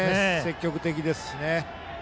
積極的ですしね。